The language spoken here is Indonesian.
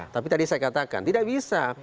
tapi tadi saya katakan tidak bisa